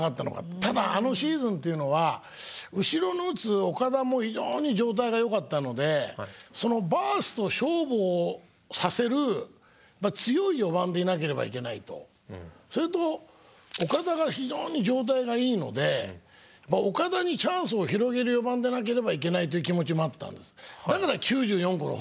ただあのシーズンというのは後ろの打つ岡田も非常に状態がよかったのでそれと岡田が非常に状態がいいので岡田にチャンスを広げる４番でなければいけないという気持ちもあったんです。